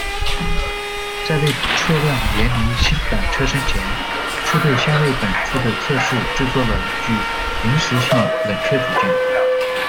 在为车辆研拟新版车身前，车队先为本次的测试制作了一具临时性冷却组件。